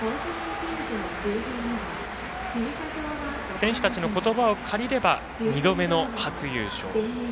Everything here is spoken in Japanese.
選手たちの言葉を借りれば２度目の初優勝。